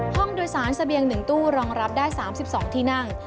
ห้องโดยสารเสบียง๑ตู้รองรับได้๓๒ที่นั่ง